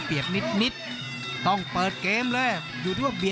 เปิดเกมเลย